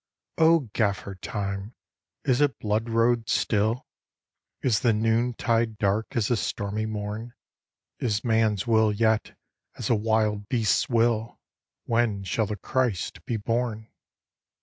" O Gaffer Time, is it blood road still? Is the noontide dark as the stormy morn? Is man s will yet as a wild beast s will? When shall the Christ be born?